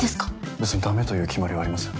べつにだめという決まりはありません。